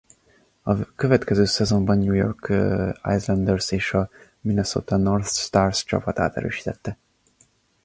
A következő szezonban a New York Islanders és a Minnesota North Stars csapatát erősítette.